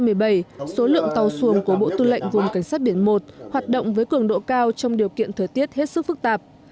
năm hai nghìn một mươi bảy số lượng tàu xuồng của bộ tư lệnh vùng cảnh sát biển một hoạt động với cường độ cao trong điều kiện thời tiết hết sức phức tạp